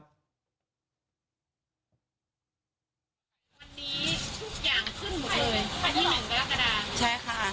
วันนี้ทุกอย่างขึ้นหมดเลย๒๑กรกฎาใช่ค่ะ